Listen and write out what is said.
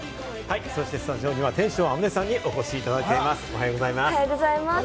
そしてスタジオには天翔天音さんにお越しいただいています。